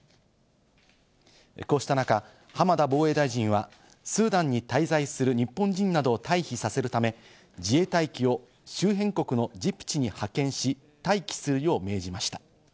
こうした中、浜田防衛大臣はスーダンに滞在する日本人などを退避させるため、自衛隊機を周辺国のジブチに派遣し、待機するよう命じました。